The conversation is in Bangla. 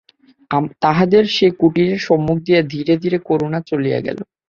তাহাদের সেই কুটীরের সম্মুখ দিয়া ধীরে ধীরে করুণা চলিয়া গেল।